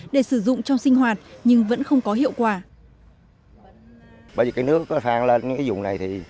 để sử dụng trong sinh hoạt nhưng vẫn không có hiệu quả